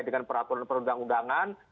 dengan peraturan perundang undangan